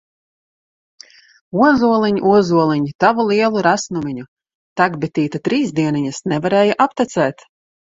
Ozoliņ, ozoliņ, Tavu lielu resnumiņu! Tek bitīte trīs dieniņas, Nevarēja aptecēt!